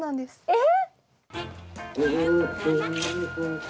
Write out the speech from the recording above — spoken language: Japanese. えっ！？